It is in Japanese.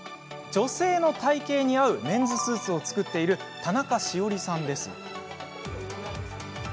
女性の体型に合うメンズスーツを作っている田中史緒里さんです。